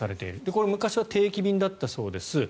これ、昔は定期便だったそうです。